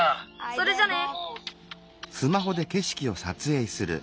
それじゃね！